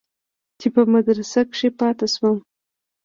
چې په مدرسه کښې پاته سم.